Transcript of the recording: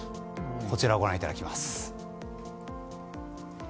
こちらをご覧いただきます。